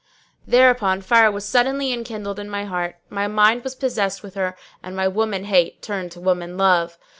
Thereupon fire was suddenly enkindled in my heart; my mind was possessed with her and my woman hate turned to woman love.